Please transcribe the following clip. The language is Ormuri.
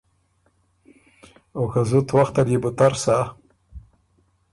او که زُت وخته لې بو تر سۀ